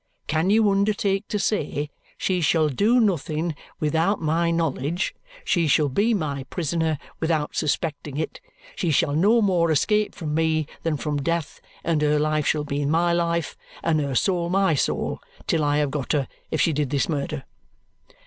Can you undertake to say, 'She shall do nothing without my knowledge, she shall be my prisoner without suspecting it, she shall no more escape from me than from death, and her life shall be my life, and her soul my soul, till I have got her, if she did this murder?'